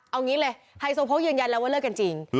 เอางี้เลยไฮโซโพกออกมายืนยันว่าเลิกจริง